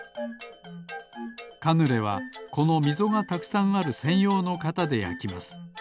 カヌレはこのみぞがたくさんあるせんようのかたでやきます。